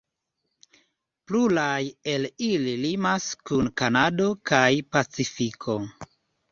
Pluraj el ili limas kun Kanado kaj Pacifiko.